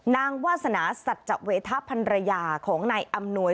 วาสนาสัจเวทะพันรยาของนายอำนวย